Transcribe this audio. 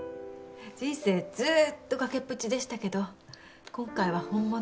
人生ずっと崖っぷちでしたけど今回は本物。